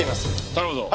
頼むぞ。